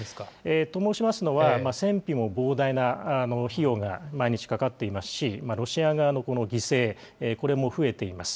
と申しますのは、戦費も膨大な費用が毎日かかっていますし、ロシア側のこの犠牲、これも増えています。